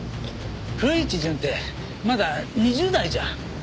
古市潤ってまだ２０代じゃ？